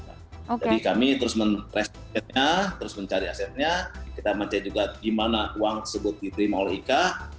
jadi kami terus mencari asetnya kita mencari juga gimana uang tersebut diterima oleh ika